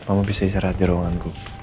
kamu bisa istirahat di ruanganku